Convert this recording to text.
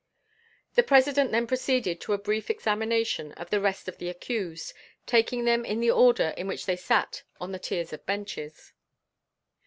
The President then proceeded to a brief examination of the rest of the accused, taking them in the order in which they sat on the tiers of benches.